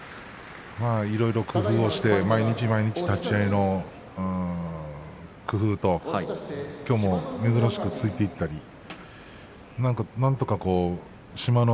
いろいろ工夫をして毎日立ち合いの工夫ときょうも珍しく突いていったりなんとか志摩ノ